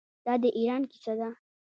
دا د ایران کیسه ده.